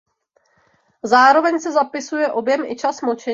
Zároveň se zapisuje objem i čas močení.